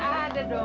eh ada dong